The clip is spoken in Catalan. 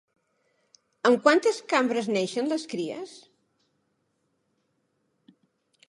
Amb quantes cambres neixen les cries?